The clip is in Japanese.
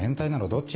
どっち？